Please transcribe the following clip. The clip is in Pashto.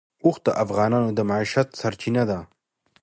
اوښ د افغانانو د معیشت سرچینه ده.